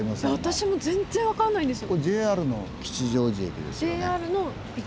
私も全然分からないんですよ。